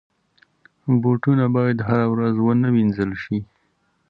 بوټونه باید هره ورځ ونه وینځل شي.